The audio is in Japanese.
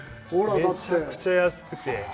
めちゃくちゃ安くて。